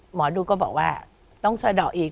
หมอดูก็บอกว่าต้องสะดอกอีก